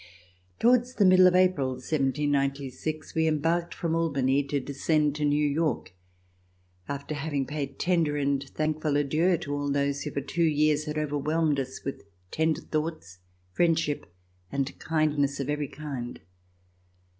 Towards the middle of April, 1796, we embarked from Albany to descend to New York, after having paid tender and thankful adieux to all those who for two years had overwhelmed us with tender thoughts, friendship and kindness of every kind.